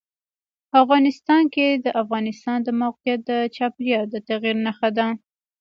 افغانستان کې د افغانستان د موقعیت د چاپېریال د تغیر نښه ده.